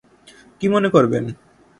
কী মনে করবেন?